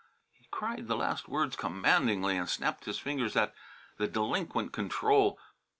He cried the last words commandingly and snapped his fingers at the delinquent control.